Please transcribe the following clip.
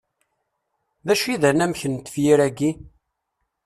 D acu i d awanek n tefyir-agi?